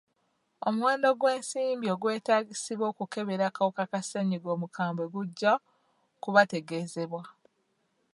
Omuwendo gw'ensimbi ogwetaagisa okukebera akawuka ka ssennyiga omukambwe gujja kubategeezebwa.